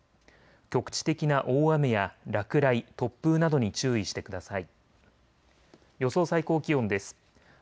局地的な大雨や落雷、突風などに注意してください。